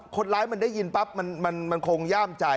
คนร้ายมันได้ยินปั๊บมันคงย่ามใจ